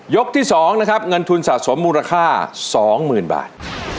ที่๒นะครับเงินทุนสะสมมูลค่า๒๐๐๐บาท